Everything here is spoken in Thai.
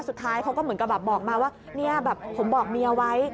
สุดท้ายเขาก็เหมือนกับบอกมาว่าผมบอกเมียไว้